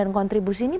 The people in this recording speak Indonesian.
dan kontribusi ini